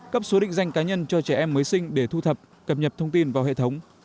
cấp số định danh cá nhân cho trẻ em mới sinh để thu thập cập nhật thông tin vào hệ thống